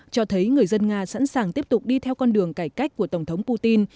cho thấy người dân nga sẵn sàng tiếp tục đi theo con đường cải cách của tổng thống putin